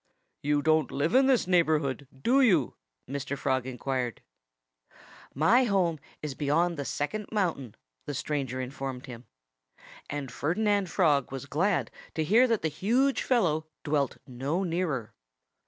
"You don't live in this neighborhood, do you?" Mr. Frog inquired. "My home is beyond the Second Mountain," the stranger informed him. And Ferdinand Frog was glad to hear that the huge fellow dwelt no nearer.